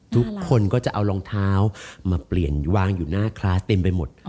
ทุกคนก็จะเอารองเท้ามาเปลี่ยนวางอยู่หน้าคลาสเต็มไปหมด